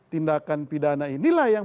tindakan pidana inilah yang